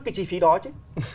cái chi phí đó chứ